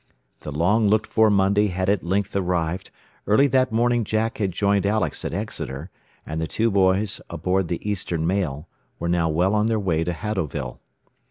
The long looked for Monday had at length arrived, early that morning Jack had joined Alex at Exeter, and the two boys, aboard the Eastern Mail, were now well on their way to Haddowville.